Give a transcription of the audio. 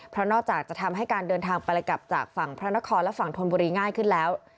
เพราะนอกจากจะทำให้การเดินทางไปกลับจากฝั่งพระนครและฝั่งธนบุรีง่ายขึ้นแล้ว